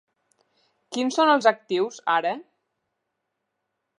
Quins són els actius ara?